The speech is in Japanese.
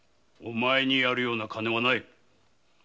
お前にやるような金はない。